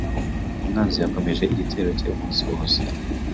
Umwanzi yakomeje igitero cye umunsi wose.